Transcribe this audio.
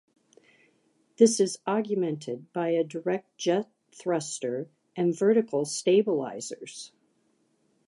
This is augmented by a direct jet thruster and vertical stabilisers.